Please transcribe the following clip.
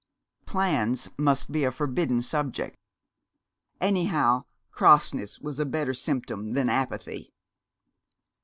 "Plans" must be a forbidden subject. Anyhow, crossness was a better symptom than apathy!